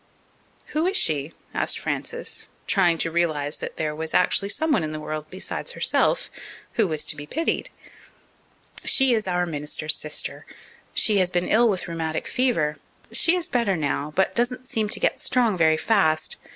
"Who is she?" asked Frances, trying to realize that there was actually someone in the world besides herself who was to be pitied. "She is our minister's sister. She has been ill with rheumatic fever. She is better now, but doesn't seem to get strong very fast.